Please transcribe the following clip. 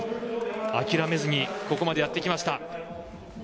諦めずにここまでやってきました。